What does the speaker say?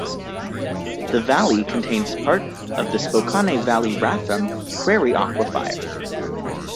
The Valley contains part of the Spokane Valley-Rathdrum Prairie Aquifer.